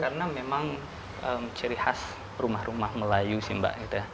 karena memang ciri khas rumah rumah melayu sih mbak gitu ya